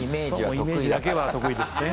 そうイメージだけは得意ですね。